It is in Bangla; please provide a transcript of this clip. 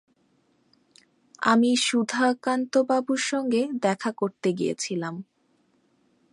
আমি সুধাকান্তবাবুর সঙ্গে দেখা করতে গিয়েছিলাম।